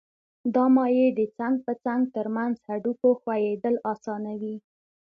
دا مایع د څنګ په څنګ تر منځ هډوکو ښویېدل آسانوي.